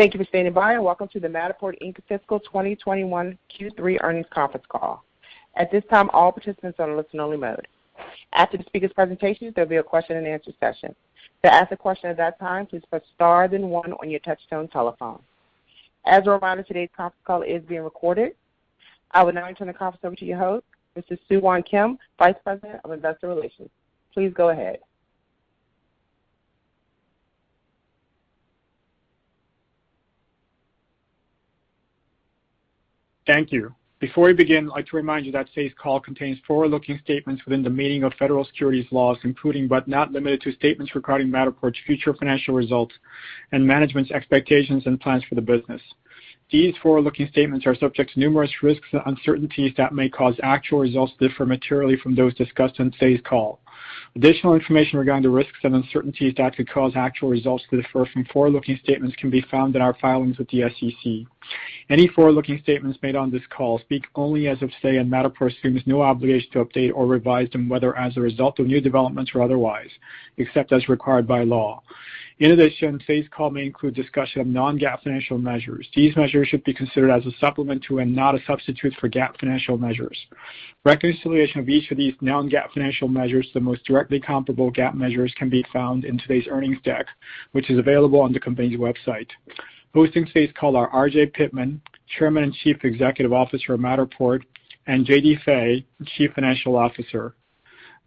Thank you for standing by, and welcome to the Matterport, Inc. Fiscal 2021 Q3 Earnings Conference Call. At this time, all participants are in listen-only mode. After the speaker's presentation, there'll be a question-and-answer session. To ask a question at that time, please press star then one on your touchtone telephone. As a reminder, today's conference call is being recorded. I would now like to turn the conference over to your host, Mr. Soohwan Kim, Vice President of Investor Relations. Please go ahead. Thank you. Before we begin, I'd like to remind you that today's call contains forward-looking statements within the meaning of federal securities laws, including, but not limited to, statements regarding Matterport's future financial results and management's expectations and plans for the business. These forward-looking statements are subject to numerous risks and uncertainties that may cause actual results to differ materially from those discussed in today's call. Additional information regarding the risks and uncertainties that could cause actual results to differ from forward-looking statements can be found in our filings with the SEC. Any forward-looking statements made on this call speak only as of today, and Matterport assumes no obligation to update or revise them, whether as a result of new developments or otherwise, except as required by law. In addition, today's call may include discussion of non-GAAP financial measures. These measures should be considered as a supplement to, and not a substitute for, GAAP financial measures. Reconciliation of each of these non-GAAP financial measures to the most directly comparable GAAP measures can be found in today's earnings deck, which is available on the company's website. Hosting today's call are RJ Pittman, Chairman and Chief Executive Officer of Matterport, and JD Fay, Chief Financial Officer.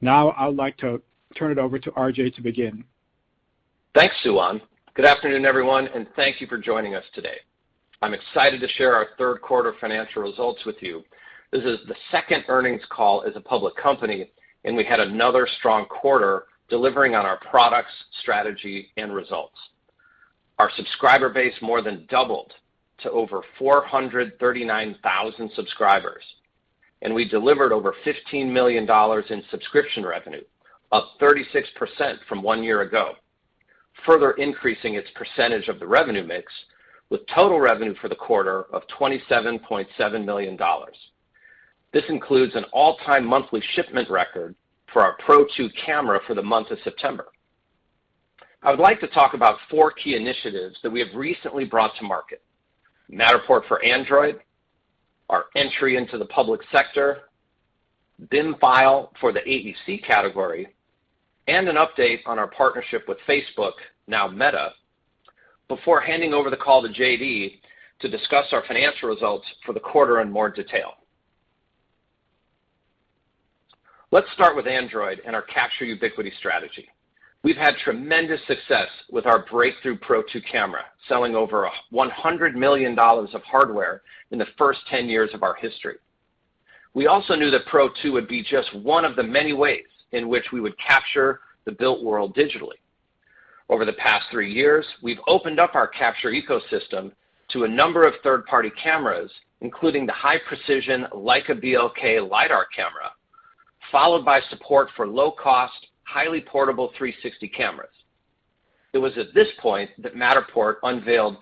Now I would like to turn it over to RJ to begin. Thanks, Soohwan. Good afternoon, everyone, and thank you for joining us today. I'm excited to share our third quarter financial results with you. This is the second earnings call as a public company, and we had another strong quarter delivering on our products, strategy, and results. Our subscriber base more than doubled to over 439,000 subscribers, and we delivered over $15 million in subscription revenue, up 36% from one year ago, further increasing its percentage of the revenue mix with total revenue for the quarter of $27.7 million. This includes an all-time monthly shipment record for our Pro2 camera for the month of September. I would like to talk about 4 key initiatives that we have recently brought to market, Matterport for Android, our entry into the public sector, BIM file for the AEC category, and an update on our partnership with Facebook, now Meta, before handing over the call to JD to discuss our financial results for the quarter in more detail. Let's start with Android and our capture ubiquity strategy. We've had tremendous success with our breakthrough Pro2 camera, selling over $100 million of hardware in the first 10 years of our history. We also knew that Pro2 would be just one of the many ways in which we would capture the built world digitally. Over the past 3 years, we've opened up our capture ecosystem to a number of third-party cameras, including the high-precision Leica BLK LiDAR camera, followed by support for low-cost, highly portable 360 cameras. It was at this point that Matterport unveiled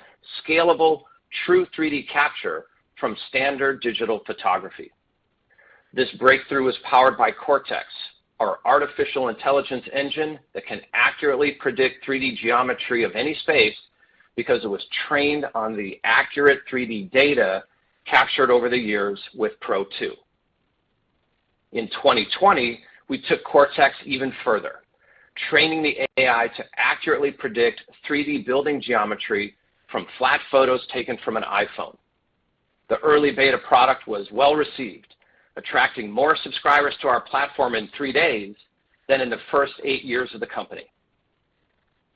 scalable, true 3D capture from standard digital photography. This breakthrough is powered by Cortex, our artificial intelligence engine that can accurately predict 3D geometry of any space because it was trained on the accurate 3D data captured over the years with Pro2. In 2020, we took Cortex even further, training the AI to accurately predict 3D building geometry from flat photos taken from an iPhone. The early beta product was well-received, attracting more subscribers to our platform in 3 days than in the first 8 years of the company.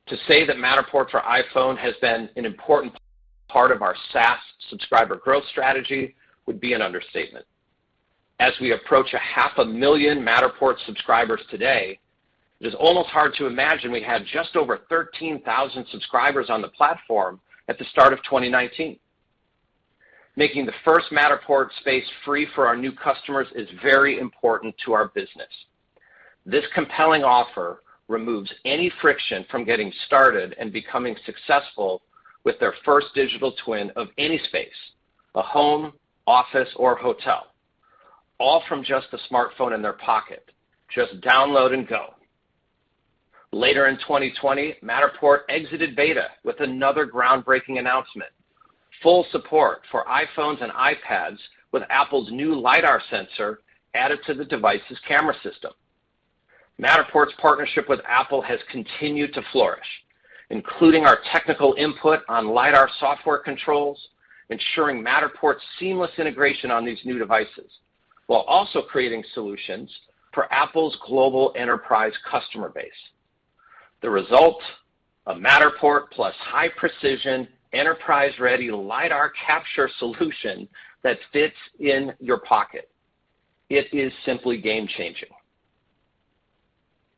To say that Matterport for iPhone has been an important part of our SaaS subscriber growth strategy would be an understatement. As we approach 500,000 Matterport subscribers today, it is almost hard to imagine we had just over 13,000 subscribers on the platform at the start of 2019. Making the first Matterport space free for our new customers is very important to our business. This compelling offer removes any friction from getting started and becoming successful with their first digital twin of any space, a home, office, or hotel, all from just the smartphone in their pocket. Just download and go. Later in 2020, Matterport exited beta with another groundbreaking announcement, full support for iPhones and iPads with Apple's new LiDAR sensor added to the device's camera system. Matterport's partnership with Apple has continued to flourish, including our technical input on LiDAR software controls, ensuring Matterport's seamless integration on these new devices, while also creating solutions for Apple's global enterprise customer base. The result, a Matterport plus high-precision enterprise-ready LiDAR capture solution that fits in your pocket. It is simply game-changing.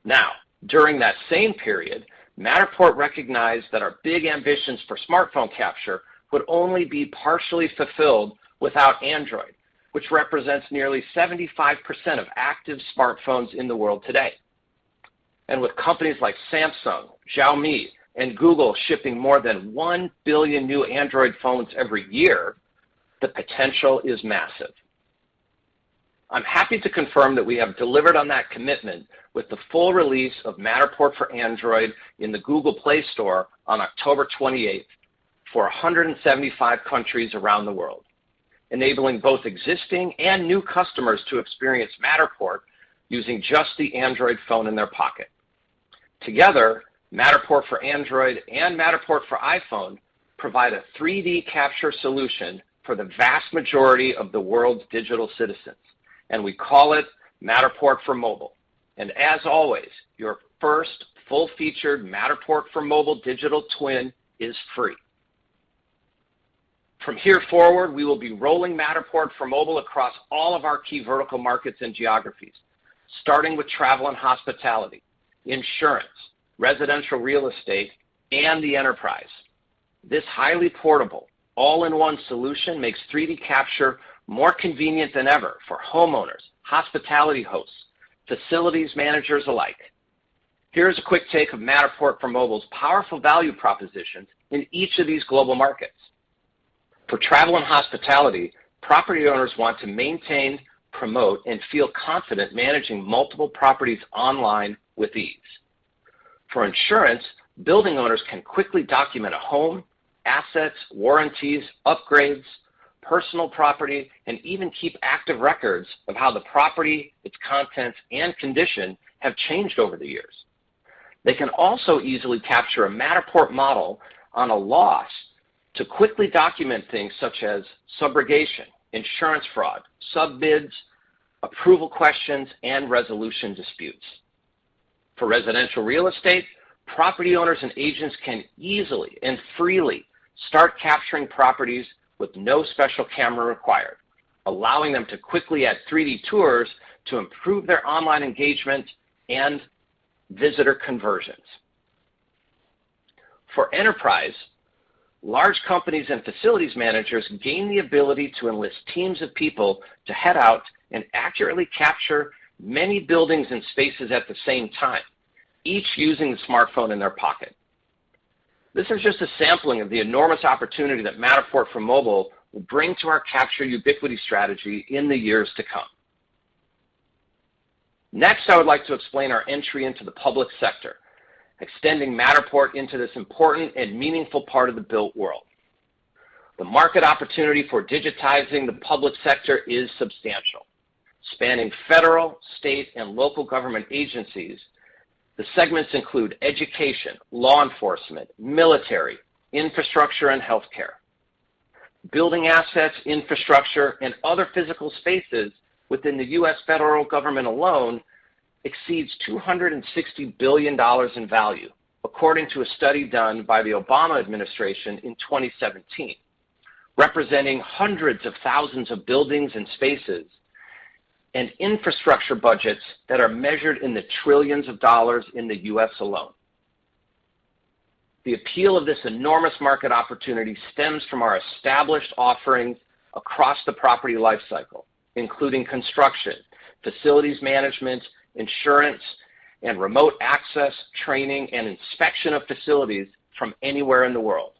Now, during that same period, Matterport recognized that our big ambitions for smartphone capture would only be partially fulfilled without Android, which represents nearly 75% of active smartphones in the world today. With companies like Samsung, Xiaomi, and Google shipping more than 1 billion new Android phones every year, the potential is massive. I'm happy to confirm that we have delivered on that commitment with the full release of Matterport for Android in the Google Play Store on October 28 for 175 countries around the world, enabling both existing and new customers to experience Matterport using just the Android phone in their pocket. Together, Matterport for Android and Matterport for iPhone provide a 3D capture solution for the vast majority of the world's digital citizens, and we call it Matterport for Mobile. As always, your first full-featured Matterport for Mobile digital twin is free. From here forward, we will be rolling Matterport for Mobile across all of our key vertical markets and geographies, starting with travel and hospitality, insurance, residential real estate, and the enterprise. This highly portable, all-in-one solution makes 3D capture more convenient than ever for homeowners, hospitality hosts, facilities managers alike. Here is a quick take of Matterport for Mobile's powerful value propositions in each of these global markets. For travel and hospitality, property owners want to maintain, promote, and feel confident managing multiple properties online with ease. For insurance, building owners can quickly document a home, assets, warranties, upgrades, personal property, and even keep active records of how the property, its contents, and condition have changed over the years. They can also easily capture a Matterport model on a loss to quickly document things such as subrogation, insurance fraud, sub-bids, approval questions, and resolution disputes. For residential real estate, property owners and agents can easily and freely start capturing properties with no special camera required, allowing them to quickly add 3D tours to improve their online engagement and visitor conversions. For enterprise, large companies and facilities managers gain the ability to enlist teams of people to head out and accurately capture many buildings and spaces at the same time, each using the smartphone in their pocket. This is just a sampling of the enormous opportunity that Matterport for Mobile will bring to our capture ubiquity strategy in the years to come. Next, I would like to explain our entry into the public sector, extending Matterport into this important and meaningful part of the built world. The market opportunity for digitizing the public sector is substantial. Spanning federal, state, and local government agencies, the segments include education, law enforcement, military, infrastructure, and healthcare. Building assets, infrastructure, and other physical spaces within the U.S. federal government alone exceeds $260 billion in value, according to a study done by the Obama administration in 2017, representing hundreds of thousands of buildings and spaces and infrastructure budgets that are measured in the trillions of dollars in the U.S. alone. The appeal of this enormous market opportunity stems from our established offerings across the property lifecycle, including construction, facilities management, insurance, and remote access, training, and inspection of facilities from anywhere in the world.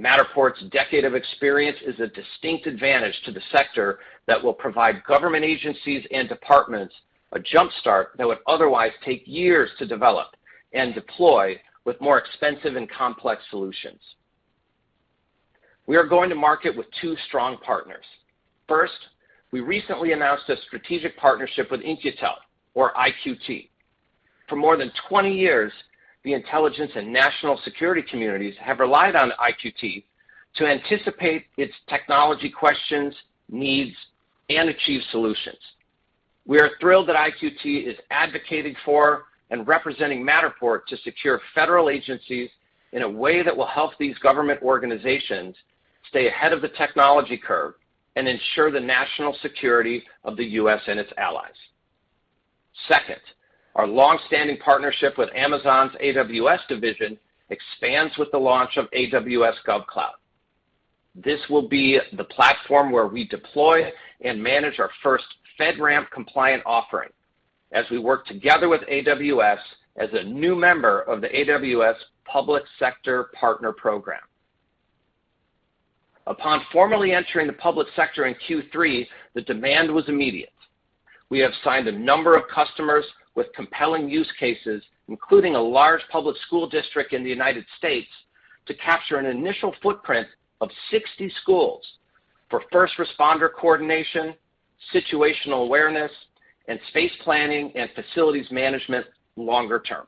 Matterport's decade of experience is a distinct advantage to the sector that will provide government agencies and departments a jump start that would otherwise take years to develop and deploy with more expensive and complex solutions. We are going to market with two strong partners. First, we recently announced a strategic partnership with In-Q-Tel or IQT. For more than 20 years, the intelligence and national security communities have relied on IQT to anticipate its technology questions, needs, and achieve solutions. We are thrilled that IQT is advocating for and representing Matterport to secure federal agencies in a way that will help these government organizations stay ahead of the technology curve and ensure the national security of the U.S. and its allies. Second, our long-standing partnership with Amazon's AWS division expands with the launch of AWS GovCloud. This will be the platform where we deploy and manage our first FedRAMP-compliant offering as we work together with AWS as a new member of the AWS Public Sector Partner program. Upon formally entering the public sector in Q3, the demand was immediate. We have signed a number of customers with compelling use cases, including a large public school district in the United States, to capture an initial footprint of 60 schools for first responder coordination, situational awareness, and space planning and facilities management longer term.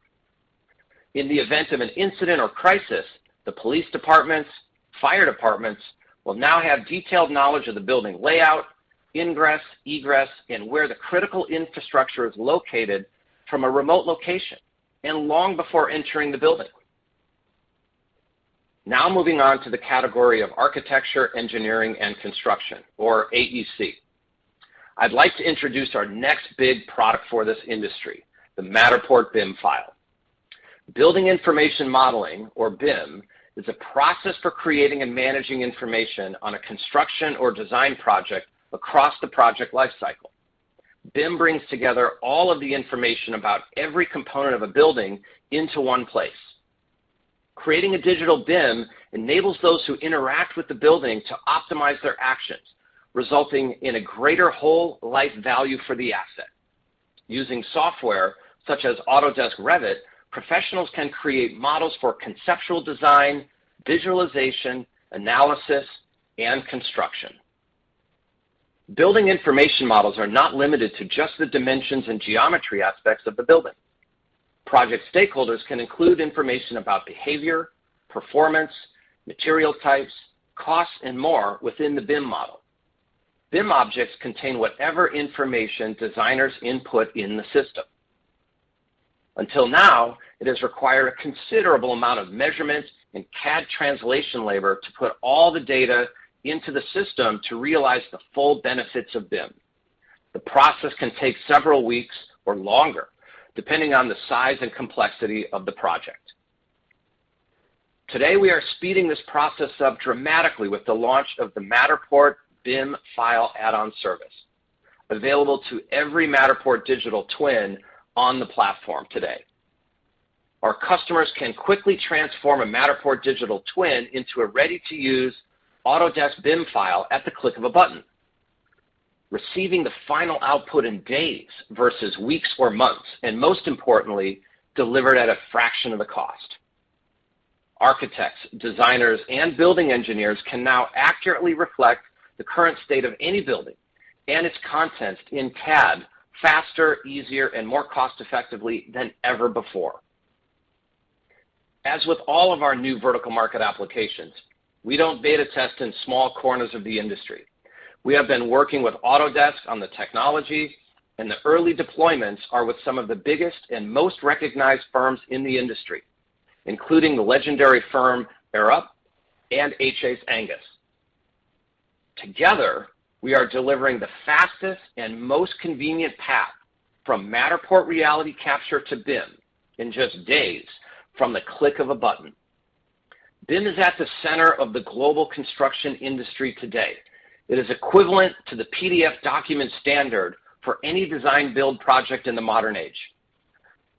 In the event of an incident or crisis, the police departments, fire departments will now have detailed knowledge of the building layout, ingress, egress, and where the critical infrastructure is located from a remote location and long before entering the building. Now moving on to the category of architecture, engineering, and construction or AEC. I'd like to introduce our next big product for this industry, the Matterport BIM file. Building information modeling, or BIM, is a process for creating and managing information on a construction or design project across the project lifecycle. BIM brings together all of the information about every component of a building into one place. Creating a digital BIM enables those who interact with the building to optimize their actions, resulting in a greater whole life value for the asset. Using software such as Autodesk Revit, professionals can create models for conceptual design, visualization, analysis, and construction. Building information models are not limited to just the dimensions and geometry aspects of the building. Project stakeholders can include information about behavior, performance, material types, costs, and more within the BIM model. BIM objects contain whatever information designers input in the system. Until now, it has required a considerable amount of measurements and CAD translation labor to put all the data into the system to realize the full benefits of BIM. The process can take several weeks or longer, depending on the size and complexity of the project. Today, we are speeding this process up dramatically with the launch of the Matterport BIM file add-on service, available to every Matterport digital twin on the platform today. Our customers can quickly transform a Matterport digital twin into a ready-to-use Autodesk BIM file at the click of a button, receiving the final output in days versus weeks or months, and most importantly, delivered at a fraction of the cost. Architects, designers, and building engineers can now accurately reflect the current state of any building and its contents in CAD faster, easier, and more cost-effectively than ever before. As with all of our new vertical market applications, we don't beta test in small corners of the industry. We have been working with Autodesk on the technology, and the early deployments are with some of the biggest and most recognized firms in the industry, including the legendary firm Arup and HOK. Together, we are delivering the fastest and most convenient path from Matterport reality capture to BIM in just days from the click of a button. BIM is at the center of the global construction industry today. It is equivalent to the PDF document standard for any design build project in the modern age.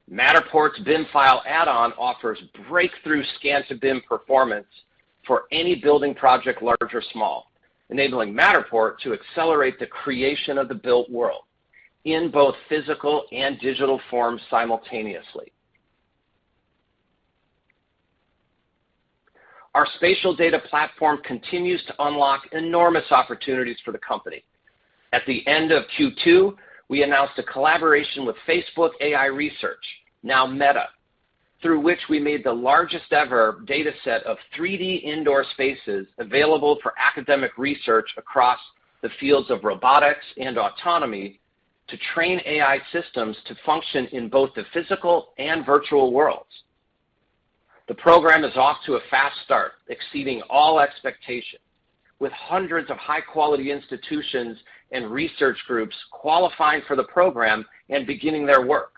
Matterport's BIM file add-on offers breakthrough scan-to-BIM performance for any building project, large or small, enabling Matterport to accelerate the creation of the built world in both physical and digital forms simultaneously. Our spatial data platform continues to unlock enormous opportunities for the company. At the end of Q2, we announced a collaboration with Facebook AI Research, now Meta, through which we made the largest ever data set of 3D indoor spaces available for academic research across the fields of robotics and autonomy to train AI systems to function in both the physical and virtual worlds. The program is off to a fast start, exceeding all expectations, with hundreds of high-quality institutions and research groups qualifying for the program and beginning their work,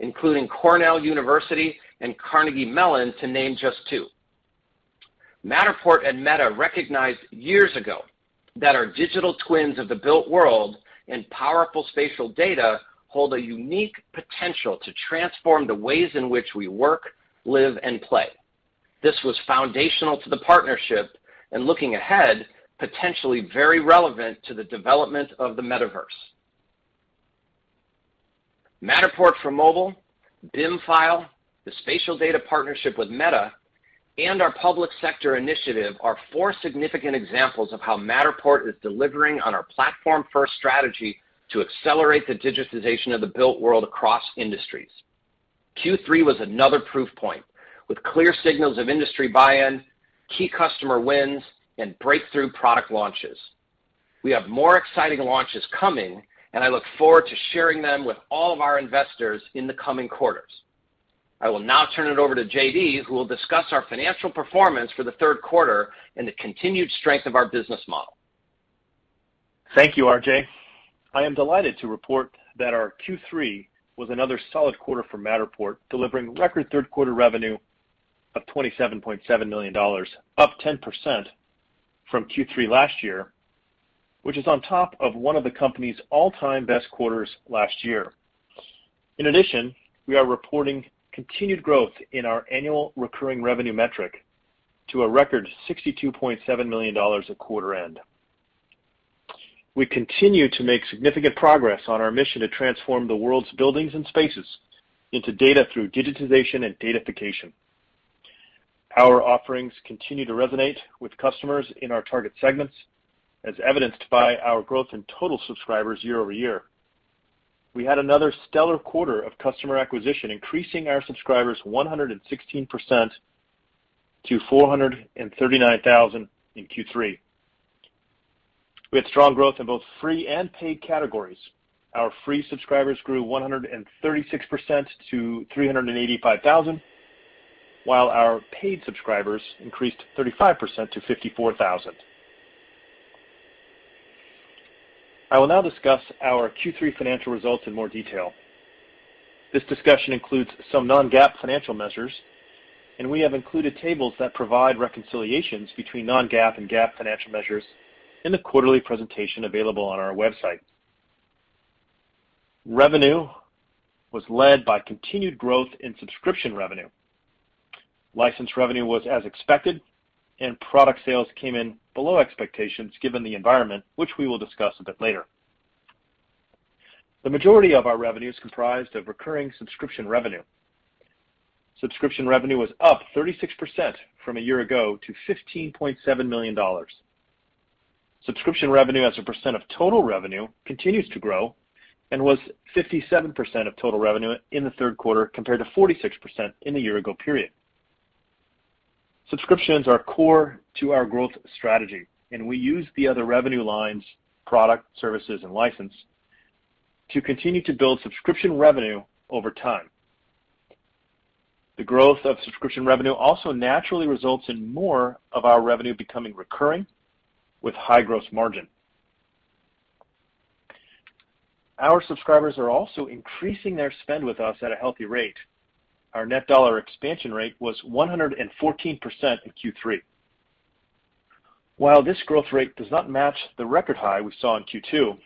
including Cornell University and Carnegie Mellon, to name just two. Matterport and Meta recognized years ago that our digital twins of the built world and powerful spatial data hold a unique potential to transform the ways in which we work, live, and play. This was foundational to the partnership and, looking ahead, potentially very relevant to the development of the metaverse. Matterport for Mobile, BIM file, the spatial data partnership with Meta, and our public sector initiative are four significant examples of how Matterport is delivering on our platform-first strategy to accelerate the digitization of the built world across industries. Q3 was another proof point, with clear signals of industry buy-in, key customer wins, and breakthrough product launches. We have more exciting launches coming, and I look forward to sharing them with all of our investors in the coming quarters. I will now turn it over to JD, who will discuss our financial performance for the third quarter and the continued strength of our business model. Thank you, RJ. I am delighted to report that our Q3 was another solid quarter for Matterport, delivering record third quarter revenue of $27.7 million, up 10% from Q3 last year, which is on top of one of the company's all-time best quarters last year. In addition, we are reporting continued growth in our annual recurring revenue metric to a record $62.7 million at quarter end. We continue to make significant progress on our mission to transform the world's buildings and spaces into data through digitization and datafication. Our offerings continue to resonate with customers in our target segments, as evidenced by our growth in total subscribers year over year. We had another stellar quarter of customer acquisition, increasing our subscribers 116% to 439,000 in Q3. We had strong growth in both free and paid categories. Our free subscribers grew 136% to 385,000, while our paid subscribers increased 35% to 54,000. I will now discuss our Q3 financial results in more detail. This discussion includes some non-GAAP financial measures, and we have included tables that provide reconciliations between non-GAAP and GAAP financial measures in the quarterly presentation available on our website. Revenue was led by continued growth in subscription revenue. License revenue was as expected, and product sales came in below expectations given the environment, which we will discuss a bit later. The majority of our revenue is comprised of recurring subscription revenue. Subscription revenue was up 36% from a year ago to $15.7 million. Subscription revenue as a percent of total revenue continues to grow and was 57% of total revenue in the third quarter, compared to 46% in the year ago period. Subscriptions are core to our growth strategy, and we use the other revenue lines, product, services and license, to continue to build subscription revenue over time. The growth of subscription revenue also naturally results in more of our revenue becoming recurring with high gross margin. Our subscribers are also increasing their spend with us at a healthy rate. Our net dollar expansion rate was 114% in Q3. While this growth rate does not match the record high we saw in Q2,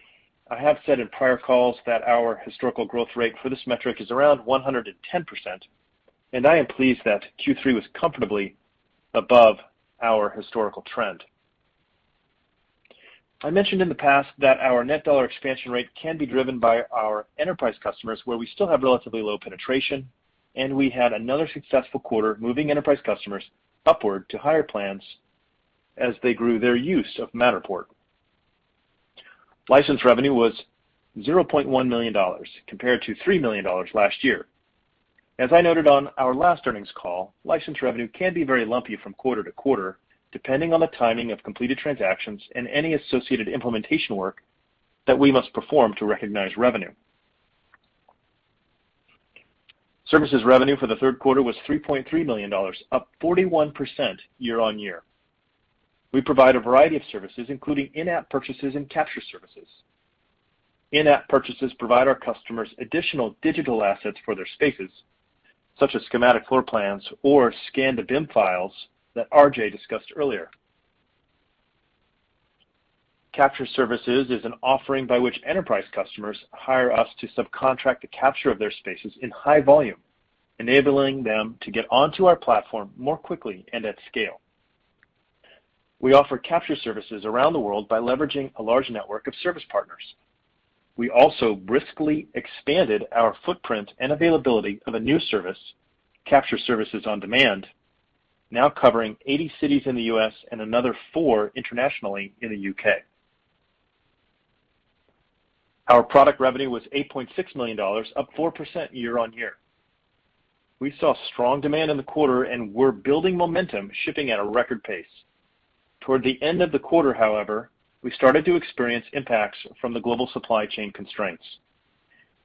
I have said in prior calls that our historical growth rate for this metric is around 110%, and I am pleased that Q3 was comfortably above our historical trend. I mentioned in the past that our net dollar expansion rate can be driven by our enterprise customers, where we still have relatively low penetration, and we had another successful quarter moving enterprise customers upward to higher plans as they grew their use of Matterport. License revenue was $0.1 million compared to $3 million last year. As I noted on our last earnings call, license revenue can be very lumpy from quarter to quarter, depending on the timing of completed transactions and any associated implementation work that we must perform to recognize revenue. Services revenue for the third quarter was $3.3 million, up 41% year-on-year. We provide a variety of services, including in-app purchases and capture services. In-app purchases provide our customers additional digital assets for their spaces, such as schematic floor plans or scan-to-BIM files that RJ discussed earlier. Capture Services is an offering by which enterprise customers hire us to subcontract the capture of their spaces in high volume, enabling them to get onto our platform more quickly and at scale. We offer capture services around the world by leveraging a large network of service partners. We also briskly expanded our footprint and availability of a new service, Capture Services On Demand, now covering 80 cities in the U.S. and another 4 internationally in the U.K. Our product revenue was $8.6 million, up 4% year-on-year. We saw strong demand in the quarter and we're building momentum, shipping at a record pace. Toward the end of the quarter, however, we started to experience impacts from the global supply chain constraints.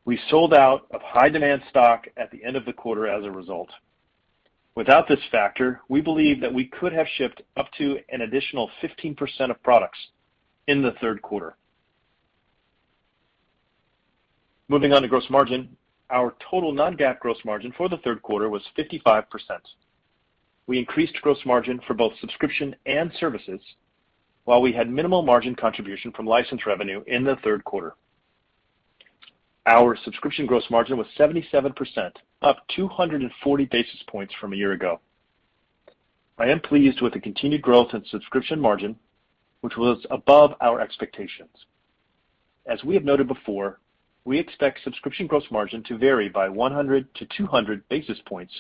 We sold out of high demand stock at the end of the quarter as a result. Without this factor, we believe that we could have shipped up to an additional 15% of products in the third quarter. Moving on to gross margin. Our total non-GAAP gross margin for the third quarter was 55%. We increased gross margin for both subscription and services, while we had minimal margin contribution from license revenue in the third quarter. Our subscription gross margin was 77%, up 240 basis points from a year ago. I am pleased with the continued growth in subscription margin, which was above our expectations. We expect subscription gross margin to vary by 100-200 basis points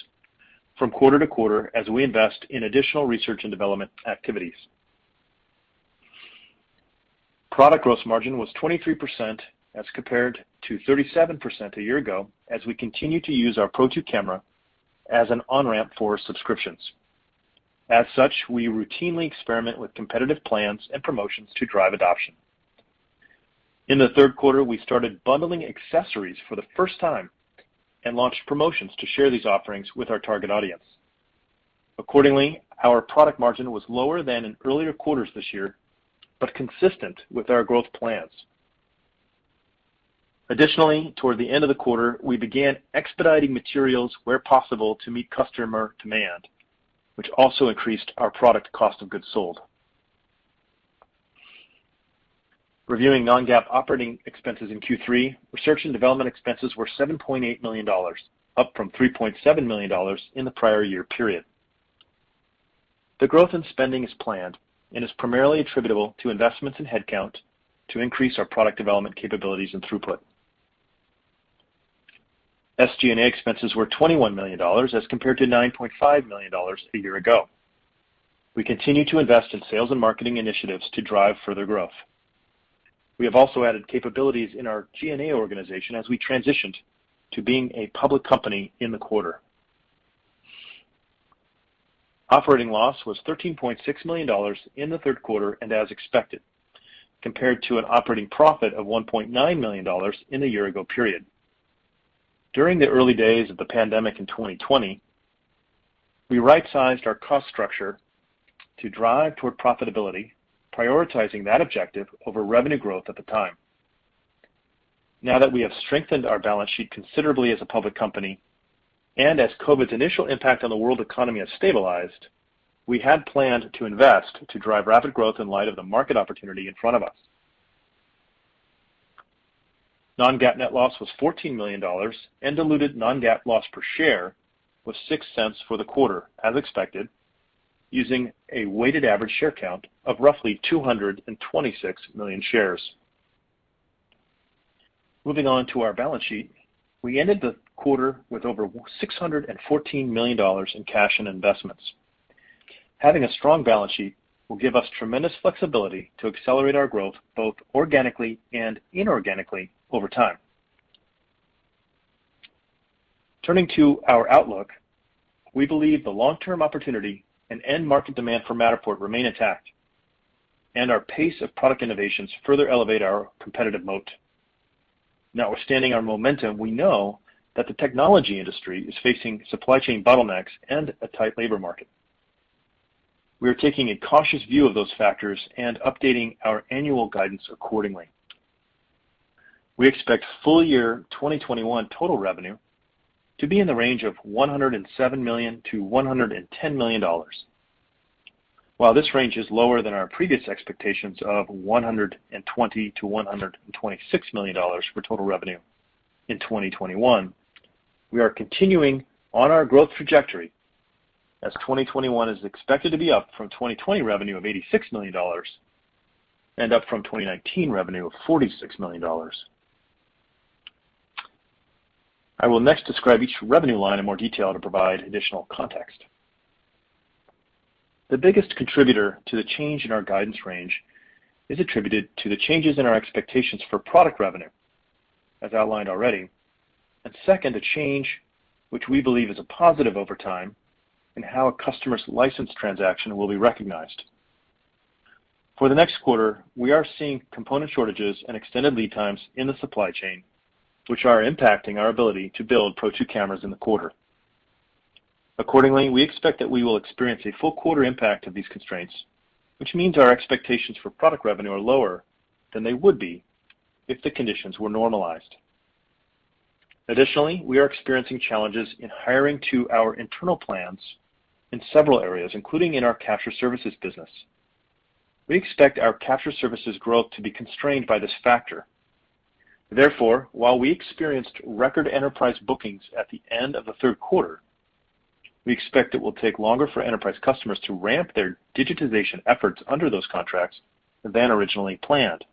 from quarter to quarter as we invest in additional research and development activities. Product gross margin was 23% as compared to 37% a year ago as we continue to use our Pro2 camera as an on-ramp for subscriptions. As such, we routinely experiment with competitive plans and promotions to drive adoption. In the third quarter, we started bundling accessories for the first time and launched promotions to share these offerings with our target audience. Accordingly, our product margin was lower than in earlier quarters this year, but consistent with our growth plans. Additionally, toward the end of the quarter, we began expediting materials where possible to meet customer demand, which also increased our product cost of goods sold. Reviewing non-GAAP operating expenses in Q3, research and development expenses were $7.8 million, up from $3.7 million in the prior year period. The growth in spending is planned and is primarily attributable to investments in headcount to increase our product development capabilities and throughput. SG&A expenses were $21 million as compared to $9.5 million a year ago. We continue to invest in sales and marketing initiatives to drive further growth. We have also added capabilities in our G&A organization as we transitioned to being a public company in the quarter. Operating loss was $13.6 million in the third quarter, and as expected, compared to an operating profit of $1.9 million in the year ago period. During the early days of the pandemic in 2020, we right-sized our cost structure to drive toward profitability, prioritizing that objective over revenue growth at the time. Now that we have strengthened our balance sheet considerably as a public company and as COVID's initial impact on the world economy has stabilized, we had planned to invest to drive rapid growth in light of the market opportunity in front of us. Non-GAAP net loss was $14 million, and diluted non-GAAP loss per share was $0.06 for the quarter as expected, using a weighted average share count of roughly 226 million shares. Moving on to our balance sheet. We ended the quarter with over $614 million in cash and investments. Having a strong balance sheet will give us tremendous flexibility to accelerate our growth, both organically and inorganically over time. Turning to our outlook, we believe the long-term opportunity and end market demand for Matterport remain intact, and our pace of product innovations further elevate our competitive moat. Now, withstanding our momentum, we know that the technology industry is facing supply chain bottlenecks and a tight labor market. We are taking a cautious view of those factors and updating our annual guidance accordingly. We expect full year 2021 total revenue to be in the range of $107 million-$110 million. While this range is lower than our previous expectations of $120 million-$126 million for total revenue in 2021, we are continuing on our growth trajectory as 2021 is expected to be up from 2020 revenue of $86 million and up from 2019 revenue of $46 million. I will next describe each revenue line in more detail to provide additional context. The biggest contributor to the change in our guidance range is attributed to the changes in our expectations for product revenue, as outlined already. Second, a change which we believe is a positive over time in how a customer's license transaction will be recognized. For the next quarter, we are seeing component shortages and extended lead times in the supply chain, which are impacting our ability to build Pro2 cameras in the quarter. Accordingly, we expect that we will experience a full quarter impact of these constraints, which means our expectations for product revenue are lower than they would be if the conditions were normalized. Additionally, we are experiencing challenges in hiring to our internal plans in several areas, including in our capture services business. We expect our capture services growth to be constrained by this factor. Therefore, while we experienced record enterprise bookings at the end of the third quarter, we expect it will take longer for enterprise customers to ramp their digitization efforts under those contracts than originally planned.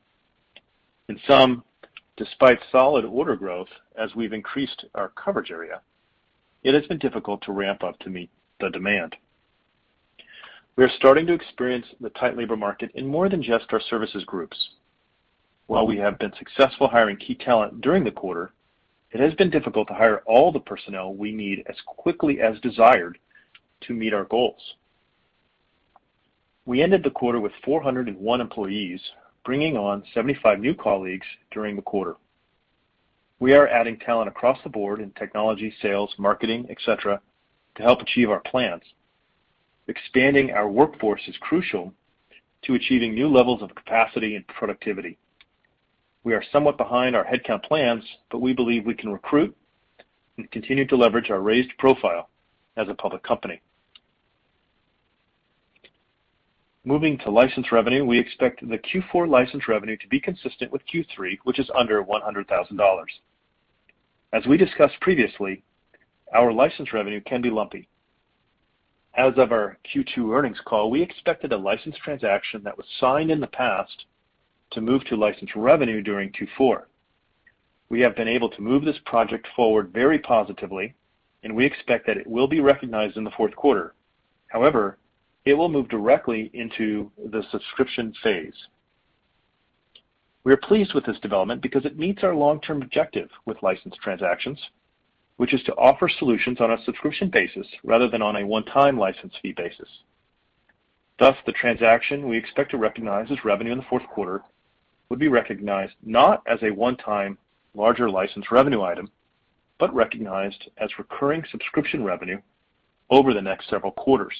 In sum, despite solid order growth, as we've increased our coverage area, it has been difficult to ramp up to meet the demand. We are starting to experience the tight labor market in more than just our services groups. While we have been successful hiring key talent during the quarter, it has been difficult to hire all the personnel we need as quickly as desired to meet our goals. We ended the quarter with 401 employees, bringing on 75 new colleagues during the quarter. We are adding talent across the board in technology, sales, marketing, et cetera, to help achieve our plans. Expanding our workforce is crucial to achieving new levels of capacity and productivity. We are somewhat behind our headcount plans, but we believe we can recruit and continue to leverage our raised profile as a public company. Moving to license revenue. We expect the Q4 license revenue to be consistent with Q3, which is under $100,000. As we discussed previously, our license revenue can be lumpy. As of our Q2 earnings call, we expected a license transaction that was signed in the past to move to license revenue during Q4. We have been able to move this project forward very positively, and we expect that it will be recognized in the fourth quarter. However, it will move directly into the subscription phase. We are pleased with this development because it meets our long-term objective with license transactions, which is to offer solutions on a subscription basis rather than on a one-time license fee basis. Thus, the transaction we expect to recognize as revenue in the fourth quarter would be recognized not as a one-time larger license revenue item, but recognized as recurring subscription revenue over the next several quarters.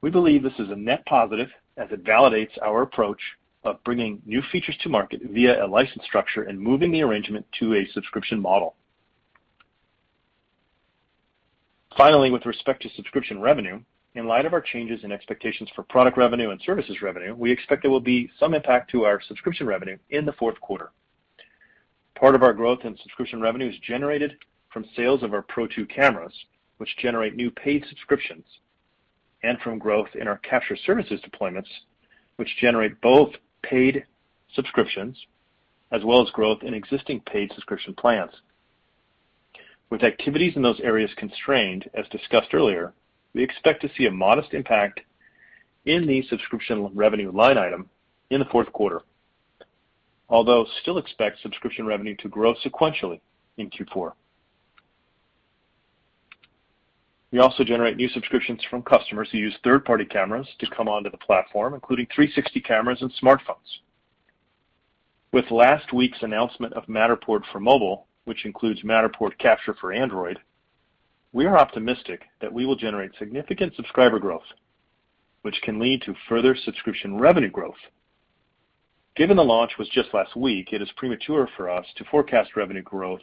We believe this is a net positive as it validates our approach of bringing new features to market via a license structure and moving the arrangement to a subscription model. Finally, with respect to subscription revenue, in light of our changes in expectations for product revenue and services revenue, we expect there will be some impact to our subscription revenue in the fourth quarter. Part of our growth in subscription revenue is generated from sales of our Pro2 cameras, which generate new paid subscriptions, and from growth in our capture services deployments, which generate both paid subscriptions, as well as growth in existing paid subscription plans. With activities in those areas constrained, as discussed earlier, we expect to see a modest impact in the subscription revenue line item in the fourth quarter. Although we still expect subscription revenue to grow sequentially in Q4. We also generate new subscriptions from customers who use third-party cameras to come onto the platform, including 360 cameras and smartphones. With last week's announcement of Matterport for Mobile, which includes Matterport Capture for Android, we are optimistic that we will generate significant subscriber growth, which can lead to further subscription revenue growth. Given the launch was just last week, it is premature for us to forecast revenue growth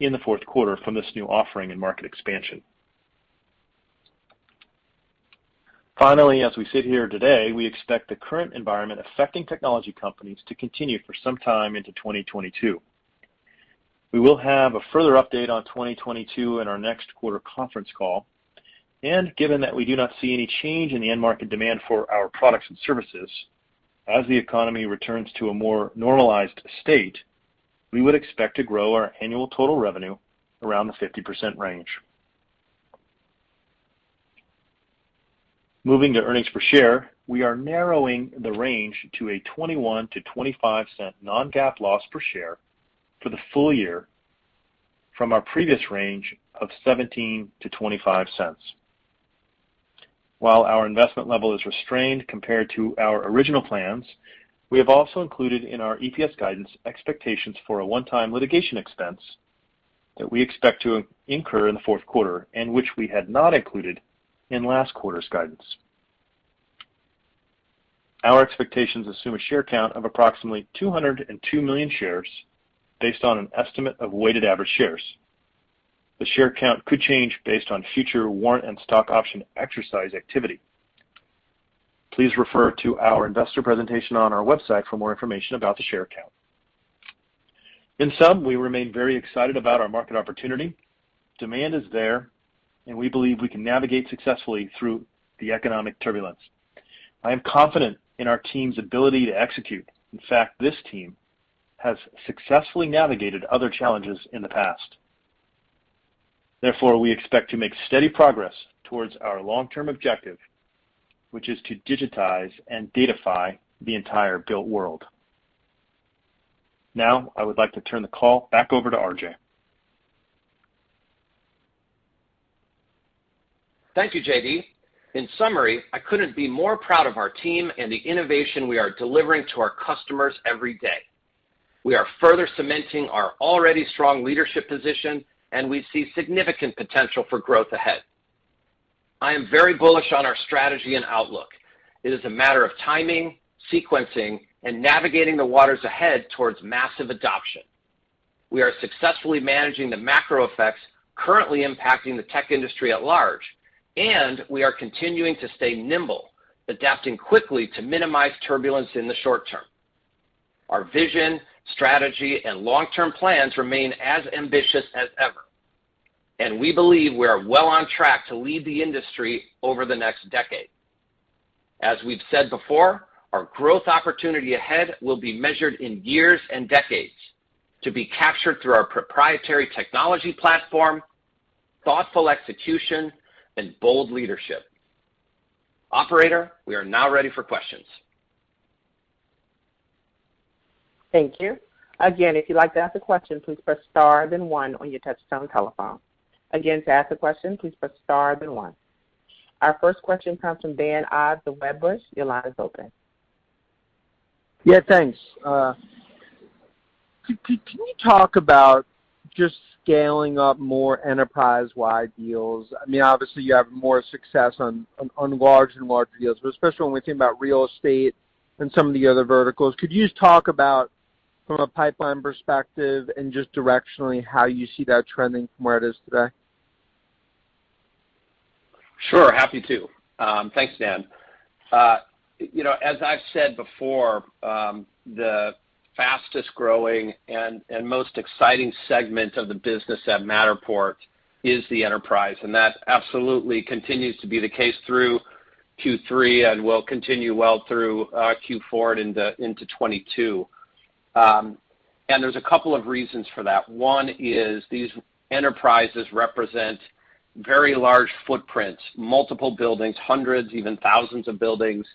in the fourth quarter from this new offering and market expansion. Finally, as we sit here today, we expect the current environment affecting technology companies to continue for some time into 2022. We will have a further update on 2022 in our next quarter conference call, and given that we do not see any change in the end market demand for our products and services, as the economy returns to a more normalized state, we would expect to grow our annual total revenue around the 50% range. Moving to earnings per share, we are narrowing the range to a $0.21-$0.25 non-GAAP loss per share for the full year from our previous range of $0.17-$0.25. While our investment level is restrained compared to our original plans, we have also included in our EPS guidance expectations for a one-time litigation expense that we expect to incur in the fourth quarter and which we had not included in last quarter's guidance. Our expectations assume a share count of approximately 202 million shares based on an estimate of weighted average shares. The share count could change based on future warrant and stock option exercise activity. Please refer to our investor presentation on our website for more information about the share count. In sum, we remain very excited about our market opportunity. Demand is there, and we believe we can navigate successfully through the economic turbulence. I am confident in our team's ability to execute. In fact, this team has successfully navigated other challenges in the past. Therefore, we expect to make steady progress towards our long-term objective, which is to digitize and datafy the entire built world. Now, I would like to turn the call back over to RJ. Thank you, JD. In summary, I couldn't be more proud of our team and the innovation we are delivering to our customers every day. We are further cementing our already strong leadership position, and we see significant potential for growth ahead. I am very bullish on our strategy and outlook. It is a matter of timing, sequencing, and navigating the waters ahead towards massive adoption. We are successfully managing the macro effects currently impacting the tech industry at large, and we are continuing to stay nimble, adapting quickly to minimize turbulence in the short term. Our vision, strategy, and long-term plans remain as ambitious as ever, and we believe we are well on track to lead the industry over the next decade. As we've said before, our growth opportunity ahead will be measured in years and decades to be captured through our proprietary technology platform, thoughtful execution, and bold leadership. Operator, we are now ready for questions. Thank you. Again, if you'd like to ask a question, please press star then one on your touchtone telephone. Again, to ask a question, please press star then one. Our first question comes from Dan Ives of Wedbush. Your line is open. Yeah, thanks. Can you talk about just scaling up more enterprise-wide deals? I mean, obviously, you have more success on large and larger deals, but especially when we think about real estate and some of the other verticals. Could you just talk about from a pipeline perspective and just directionally how you see that trending from where it is today? Sure. Happy to. Thanks, Dan. You know, as I've said before, the fastest-growing and most exciting segment of the business at Matterport is the enterprise, and that absolutely continues to be the case through Q3 and will continue well through Q4 into 2022. There's a couple of reasons for that. One is these enterprises represent very large footprints, multiple buildings, hundreds, even thousands of buildings,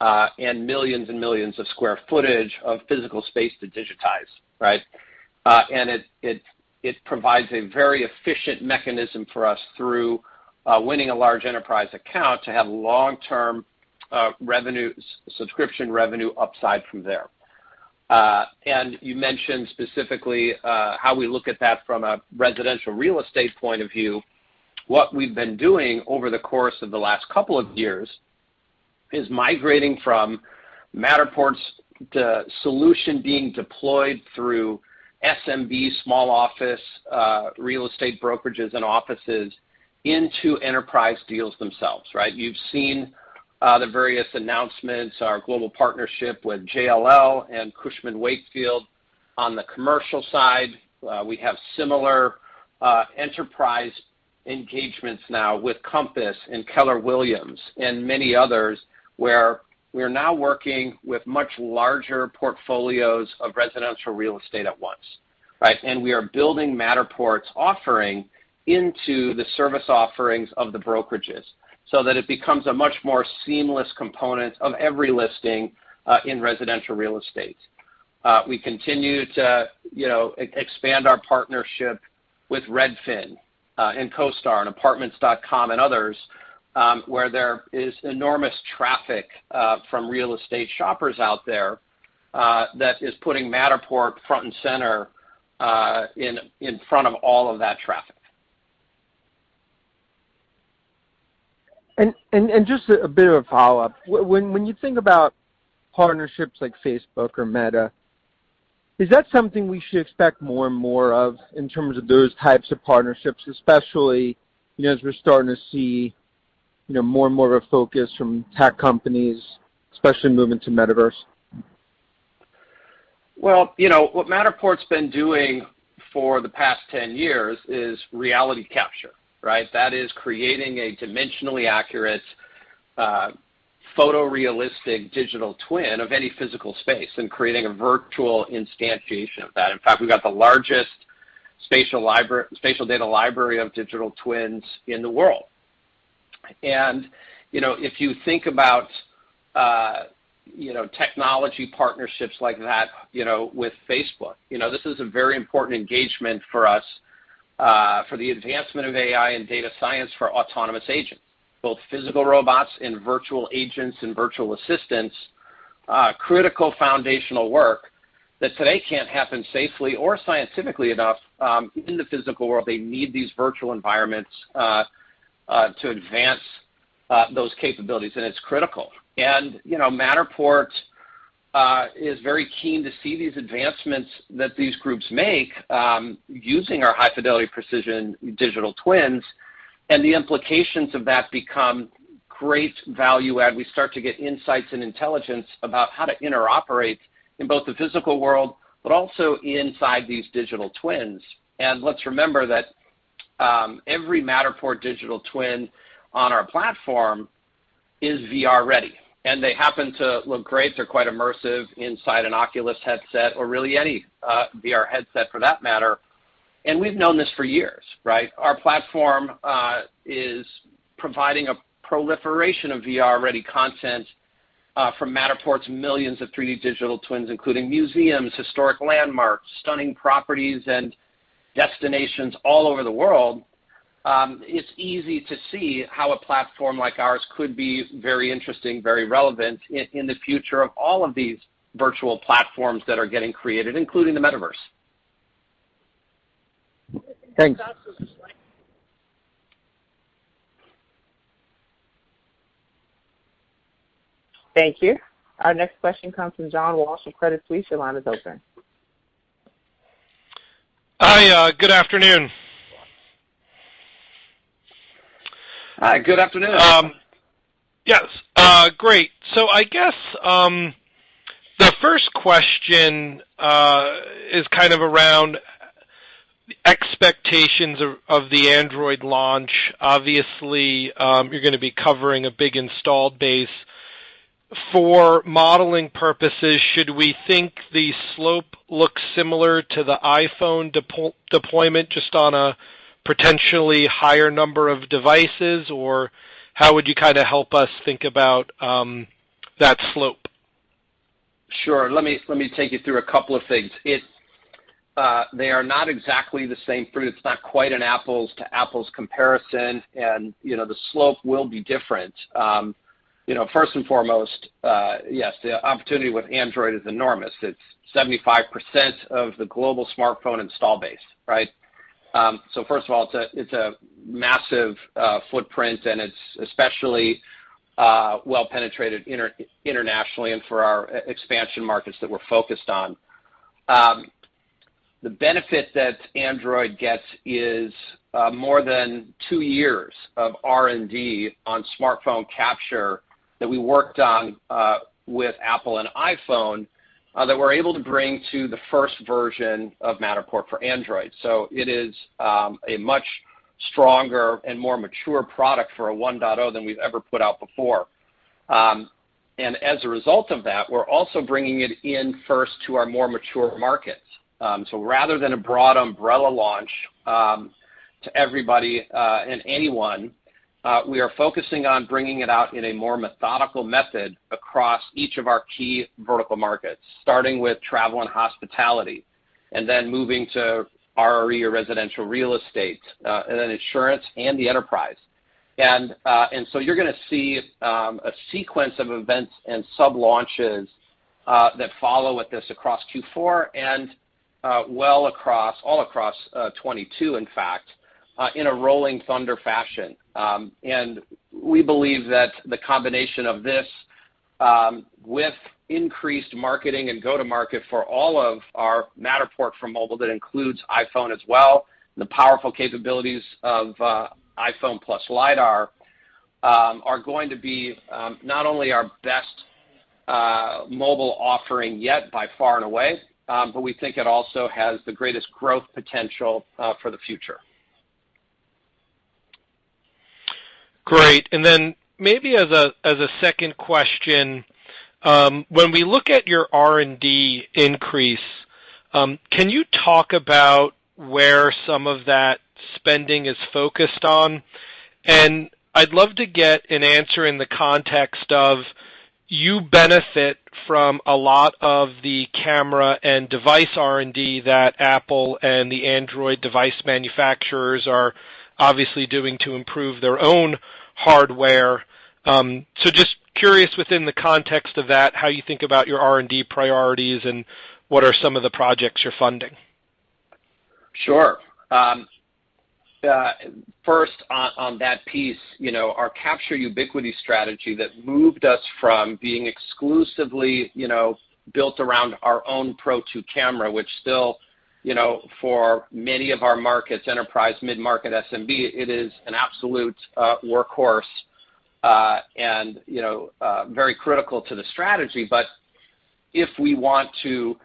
and millions and millions of square footage of physical space to digitize, right? It provides a very efficient mechanism for us through winning a large enterprise account to have long-term revenue, subscription revenue upside from there. You mentioned specifically how we look at that from a residential real estate point of view. What we've been doing over the course of the last couple of years is migrating from Matterport's solution being deployed through SMB small office real estate brokerages and offices into enterprise deals themselves, right? You've seen the various announcements, our global partnership with JLL and Cushman & Wakefield. On the commercial side, we have similar enterprise engagements now with Compass and Keller Williams and many others, where we are now working with much larger portfolios of residential real estate at once, right? We are building Matterport's offering into the service offerings of the brokerages so that it becomes a much more seamless component of every listing in residential real estate. We continue to, you know, expand our partnership with Redfin, CoStar, apartments.com, and others, where there is enormous traffic from real estate shoppers out there that is putting Matterport front and center in front of all of that traffic. Just a bit of a follow-up. When you think about partnerships like Facebook or Meta, is that something we should expect more and more of in terms of those types of partnerships, especially, you know, as we're starting to see, you know, more and more of a focus from tech companies, especially moving to metaverse? Well, you know, what Matterport's been doing for the past 10 years is reality capture, right? That is creating a dimensionally accurate, photorealistic digital twin of any physical space and creating a virtual instantiation of that. In fact, we've got the largest spatial data library of digital twins in the world. You know, if you think about, you know, technology partnerships like that, you know, with Facebook, you know, this is a very important engagement for us, for the advancement of AI and data science for autonomous agents, both physical robots and virtual agents and virtual assistants, critical foundational work that today can't happen safely or scientifically enough, in the physical world. They need these virtual environments to advance those capabilities, and it's critical. You know, Matterport is very keen to see these advancements that these groups make using our high-fidelity precision digital twins, and the implications of that become great value add. We start to get insights and intelligence about how to interoperate in both the physical world but also inside these digital twins. Let's remember that every Matterport digital twin on our platform is VR-ready, and they happen to look great. They're quite immersive inside an Oculus headset or really any VR headset for that matter, and we've known this for years, right? Our platform is providing a proliferation of VR-ready content from Matterport's millions of 3D digital twins, including museums, historic landmarks, stunning properties and destinations all over the world. It's easy to see how a platform like ours could be very interesting, very relevant in the future of all of these virtual platforms that are getting created, including the metaverse. Thanks. Thank you. Our next question comes from John Walsh from Credit Suisse. Your line is open. Hi, good afternoon. Hi, good afternoon. Yes, great. I guess the first question is kind of around expectations of the Android launch. Obviously, you're gonna be covering a big installed base. For modeling purposes, should we think the slope looks similar to the iPhone deployment just on a potentially higher number of devices? Or how would you kind of help us think about that slope? Sure. Let me take you through a couple of things. They are not exactly the same fruit. It's not quite an apples to apples comparison, and, you know, the slope will be different. You know, first and foremost, yes, the opportunity with Android is enormous. It's 75% of the global smartphone install base, right? First of all, it's a massive footprint, and it's especially well penetrated internationally and for our expansion markets that we're focused on. The benefit that Android gets is more than two years of R&D on smartphone capture that we worked on with Apple and iPhone that we're able to bring to the first version of Matterport for Android. It is a much stronger and more mature product for a 1.0 than we've ever put out before. As a result of that, we're also bringing it in first to our more mature markets. Rather than a broad umbrella launch to everybody and anyone, we are focusing on bringing it out in a more methodical method across each of our key vertical markets, starting with travel and hospitality and then moving to RE or residential real estate and then insurance and the enterprise. You're gonna see a sequence of events and sub-launches that follow with this across Q4 and all across 2022, in fact, in a rolling thunder fashion. We believe that the combination of this, with increased marketing and go-to-market for all of our Matterport for Mobile that includes iPhone as well and the powerful capabilities of iPhone plus LiDAR, are going to be not only our best mobile offering yet by far and away, but we think it also has the greatest growth potential for the future. Great. Then maybe as a second question, when we look at your R&D increase, can you talk about where some of that spending is focused on? I'd love to get an answer in the context of you benefit from a lot of the camera and device R&D that Apple and the Android device manufacturers are obviously doing to improve their own hardware. Just curious within the context of that how you think about your R&D priorities and what are some of the projects you're funding. Sure. First on that piece, you know, our capture ubiquity strategy that moved us from being exclusively, you know, built around our own Pro2 camera, which still, you know, for many of our markets, enterprise, mid-market, SMB, it is an absolute workhorse and, you know, very critical to the strategy. If we want to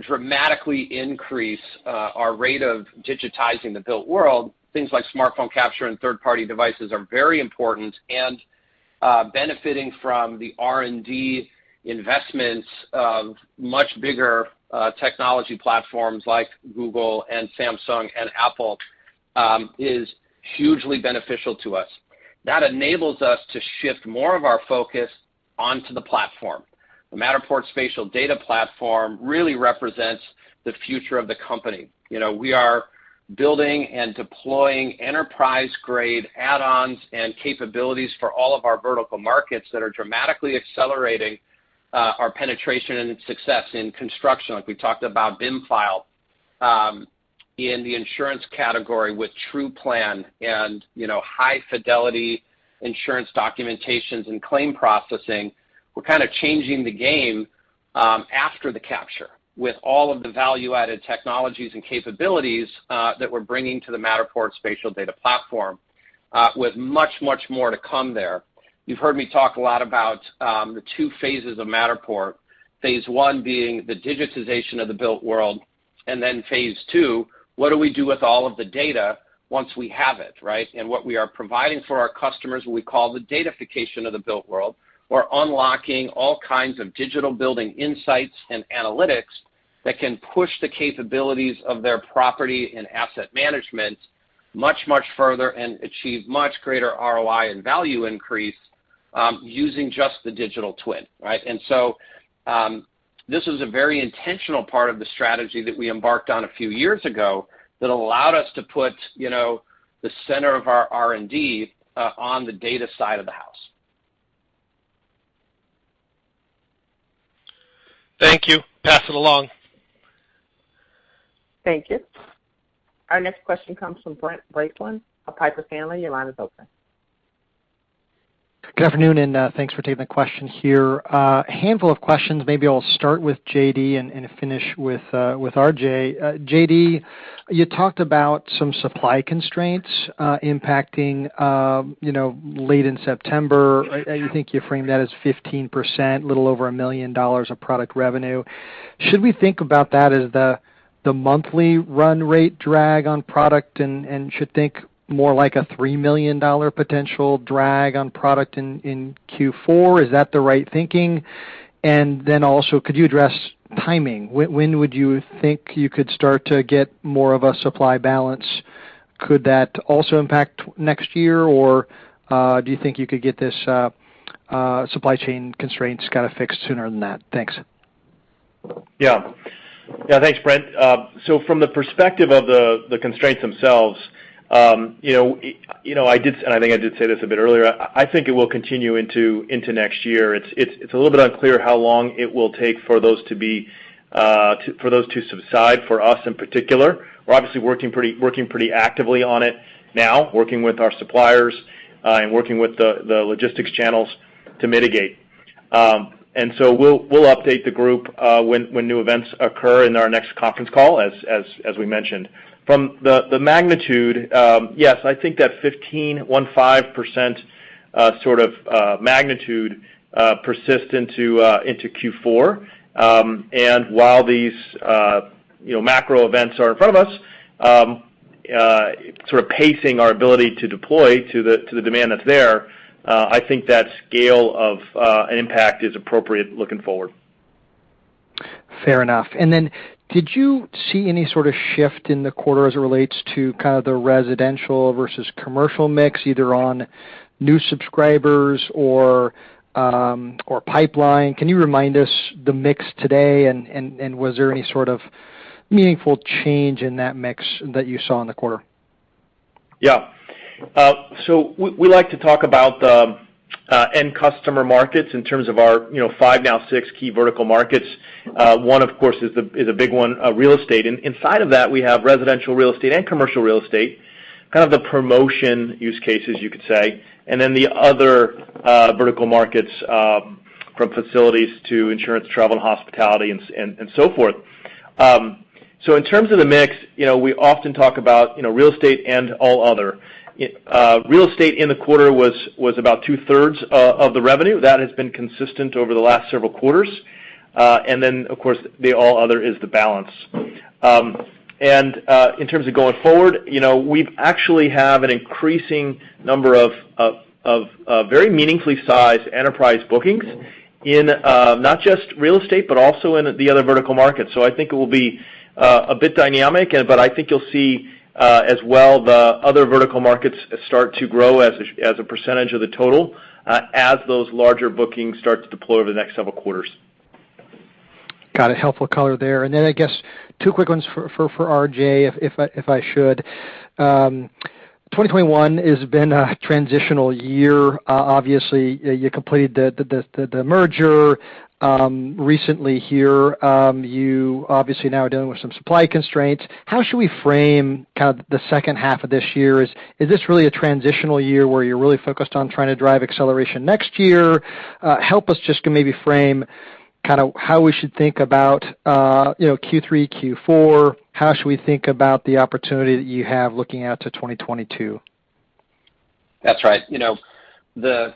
dramatically increase our rate of digitizing the built world, things like smartphone capture and third-party devices are very important and benefiting from the R&D investments of much bigger technology platforms like Google and Samsung and Apple is hugely beneficial to us. That enables us to shift more of our focus onto the platform. The Matterport spatial data platform really represents the future of the company. You know, we are building and deploying enterprise-grade add-ons and capabilities for all of our vertical markets that are dramatically accelerating our penetration and success in construction, like we talked about BIM file, in the insurance category with TruePlan and, you know, high-fidelity insurance documentations and claim processing. We're kind of changing the game, after the capture with all of the value-added technologies and capabilities that we're bringing to the Matterport spatial data platform, with much, much more to come there. You've heard me talk a lot about the two phases of Matterport, phase one being the digitization of the built world, and then phase two, what do we do with all of the data once we have it, right? What we are providing for our customers, we call the datafication of the built world. We're unlocking all kinds of digital building insights and analytics that can push the capabilities of their property and asset management much, much further and achieve much greater ROI and value increase, using just the digital twin, right? This is a very intentional part of the strategy that we embarked on a few years ago that allowed us to put, you know, the center of our R&D on the data side of the house. Thank you. Pass it along. Thank you. Our next question comes from Brent Bracelin of Piper Sandler. Your line is open. Good afternoon, and thanks for taking the question here. A handful of questions. Maybe I'll start with JD and finish with RJ. JD, you talked about some supply constraints impacting you know late in September. I think you framed that as 15%, a little over a million dollars of product revenue. Should we think about that as the monthly run rate drag on product and should think more like a $3 million potential drag on product in Q4? Is that the right thinking? And then also, could you address timing? When would you think you could start to get more of a supply balance? Could that also impact next year, or do you think you could get this supply chain constraints kind of fixed sooner than that? Thanks. Thanks, Brent. So from the perspective of the constraints themselves, you know, I think I did say this a bit earlier. I think it will continue into next year. It's a little bit unclear how long it will take for those to subside for us in particular. We're obviously working pretty actively on it now, working with our suppliers and working with the logistics channels to mitigate. We'll update the group when new events occur in our next conference call, as we mentioned. From the magnitude, yes, I think that 15% sort of magnitude persists into Q4. While these, you know, macro events are in front of us, sort of pacing our ability to deploy to the demand that's there, I think that scale of impact is appropriate looking forward. Fair enough. Did you see any sort of shift in the quarter as it relates to kind of the residential versus commercial mix, either on new subscribers or pipeline? Can you remind us the mix today, and was there any sort of meaningful change in that mix that you saw in the quarter? Yeah. So we like to talk about the end customer markets in terms of our, you know, 5, now 6 key vertical markets. One, of course, is a big one, real estate. And inside of that, we have residential real estate and commercial real estate, kind of the promotion use cases you could say. And then the other vertical markets, from facilities to insurance, travel, and hospitality and so forth. So in terms of the mix, you know, we often talk about, you know, real estate and all other. Real estate in the quarter was about two-thirds of the revenue. That has been consistent over the last several quarters. And then, of course, the all other is the balance. In terms of going forward, you know, we've actually have an increasing number of of very meaningfully sized enterprise bookings in not just real estate, but also in the other vertical markets. I think it will be a bit dynamic, but I think you'll see as well the other vertical markets start to grow as a percentage of the total, as those larger bookings start to deploy over the next several quarters. Got it. Helpful color there. Then I guess two quick ones for RJ if I should. 2021 has been a transitional year. Obviously, you completed the merger recently here. You obviously now are dealing with some supply constraints. How should we frame kind of the second half of this year? Is this really a transitional year where you're really focused on trying to drive acceleration next year? Help us just to maybe frame kind of how we should think about, you know, Q3, Q4. How should we think about the opportunity that you have looking out to 2022? That's right. You know, the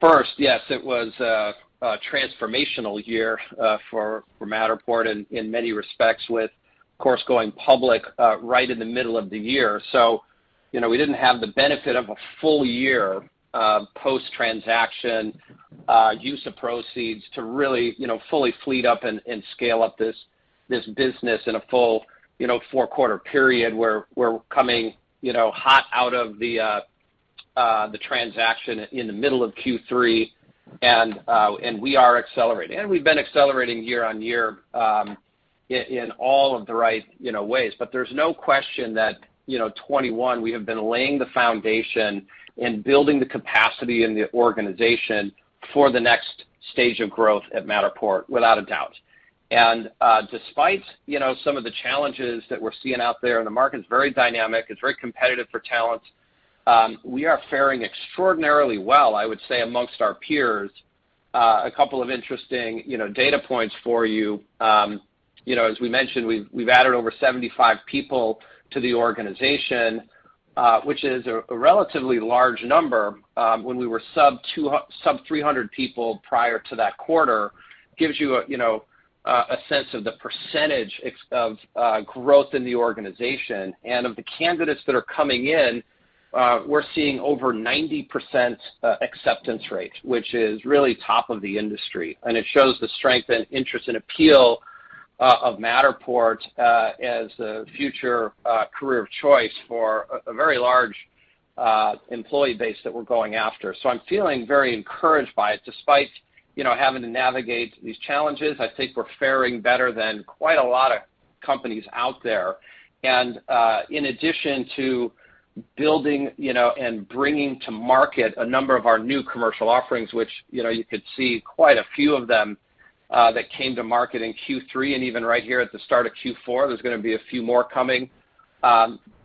first, yes, it was a transformational year for Matterport in many respects with, of course, going public right in the middle of the year. You know, we didn't have the benefit of a full year post-transaction use of proceeds to really, you know, fully fleet up and scale up this business in a full, you know, four-quarter period where we're coming, you know, hot out of the transaction in the middle of Q3. We are accelerating. We've been accelerating year-over-year in all of the right, you know, ways. There's no question that, you know, 2021, we have been laying the foundation and building the capacity in the organization for the next stage of growth at Matterport, without a doubt. Despite, you know, some of the challenges that we're seeing out there, and the market is very dynamic, it's very competitive for talent, we are faring extraordinarily well, I would say, amongst our peers. A couple of interesting, you know, data points for you. As we mentioned, we've added over 75 people to the organization, which is a relatively large number, when we were sub 300 people prior to that quarter, gives you a sense of the percentage of growth in the organization. Of the candidates that are coming in, we're seeing over 90% acceptance rate, which is really top of the industry. It shows the strength and interest and appeal of Matterport as a future career of choice for a very large employee base that we're going after. I'm feeling very encouraged by it despite, you know, having to navigate these challenges. I think we're faring better than quite a lot of companies out there. In addition to building, you know, and bringing to market a number of our new commercial offerings, which, you know, you could see quite a few of them that came to market in Q3, and even right here at the start of Q4, there's gonna be a few more coming.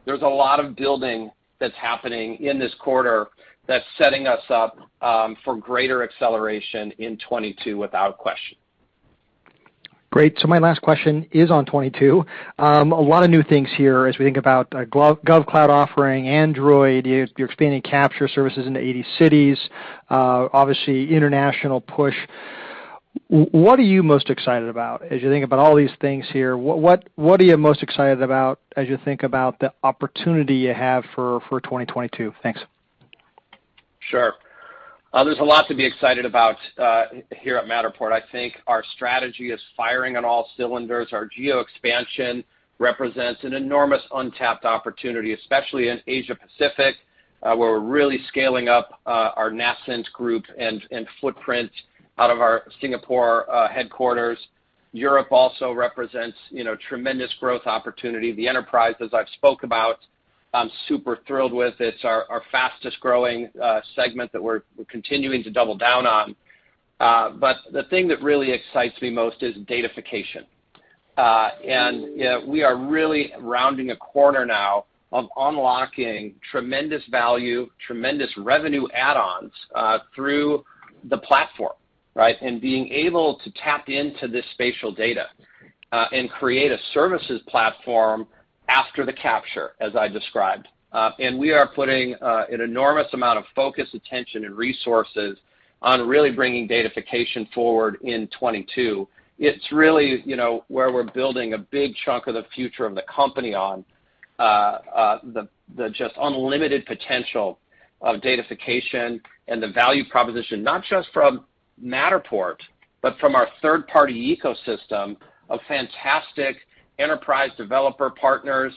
There's a lot of building that's happening in this quarter that's setting us up for greater acceleration in 2022, without question. Great. My last question is on 2022. A lot of new things here as we think about GovCloud offering, Android, you're expanding Capture Services into 80 cities, obviously international push. What are you most excited about as you think about all these things here? What are you most excited about as you think about the opportunity you have for 2022? Thanks. Sure. There's a lot to be excited about here at Matterport. I think our strategy is firing on all cylinders. Our geo expansion represents an enormous untapped opportunity, especially in Asia Pacific, where we're really scaling up our nascent group and footprint out of our Singapore headquarters. Europe also represents, you know, tremendous growth opportunity. The enterprise, as I've spoke about, I'm super thrilled with. It's our fastest growing segment that we're continuing to double down on. The thing that really excites me most is datafication. You know, we are really rounding a corner now of unlocking tremendous value, tremendous revenue add-ons through the platform, right? Being able to tap into this spatial data and create a services platform after the capture, as I described. We are putting an enormous amount of focus, attention, and resources on really bringing datafication forward in 2022. It's really, you know, where we're building a big chunk of the future of the company on the just unlimited potential of datafication and the value proposition, not just from Matterport, but from our third-party ecosystem of fantastic enterprise developer partners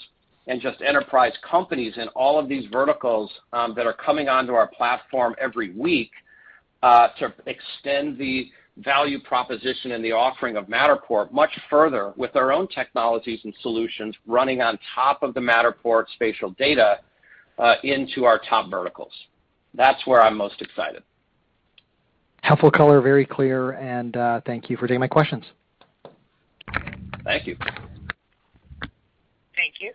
and just enterprise companies in all of these verticals that are coming onto our platform every week to extend the value proposition and the offering of Matterport much further with their own technologies and solutions running on top of the Matterport spatial data into our top verticals. That's where I'm most excited. Helpful color, very clear, and, thank you for taking my questions. Thank you. Thank you.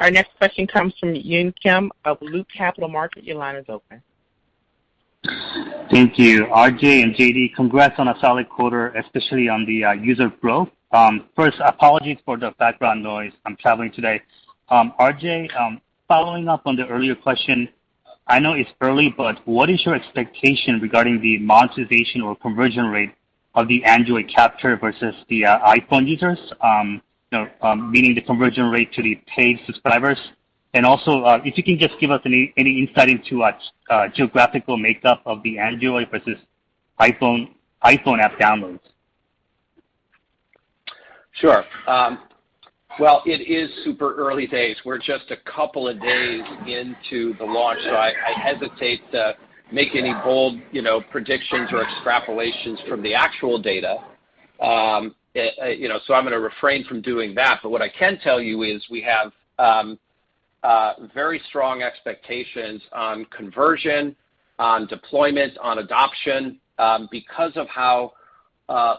Our next question comes from Yun Kim of Loop Capital Markets. Your line is open. Thank you. RJ and JD, congrats on a solid quarter, especially on the user growth. First, apologies for the background noise. I'm traveling today. RJ, following up on the earlier question, I know it's early, but what is your expectation regarding the monetization or conversion rate of the Android capture versus the iPhone users? You know, meaning the conversion rate to the paid subscribers. Also, if you can just give us any insight into geographical makeup of the Android versus iPhone app downloads. Sure. Well, it is super early days. We're just a couple of days into the launch, so I hesitate to make any bold, you know, predictions or extrapolations from the actual data. You know, I'm gonna refrain from doing that. What I can tell you is we have very strong expectations on conversion, on deployment, on adoption, because of how